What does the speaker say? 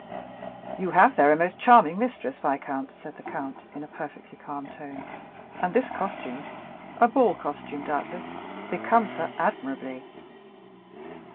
"You have there a most charming mistress, viscount," said the count in a perfectly calm tone; "and this costume—a ball costume, doubtless—becomes her admirably."